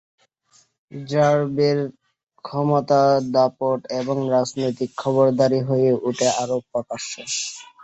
র্যা বের ক্ষমতা, দাপট এবং রাজনৈতিক খবরদারি হয়ে ওঠে আরও প্রকাশ্য।